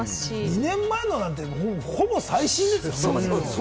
２年前なんてほぼ最新ですし。